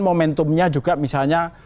momentumnya juga misalnya